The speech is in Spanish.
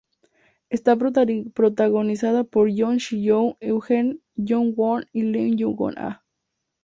Es protagonizada por Yoon Shi Yoon, Eugene, Joo Won y Lee Young Ah.